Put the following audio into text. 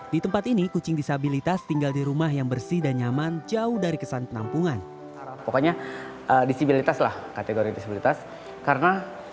di tempat ini kucing disabilitas tinggal di rumah yang bersih dan nyaman jauh dari kesan penampungan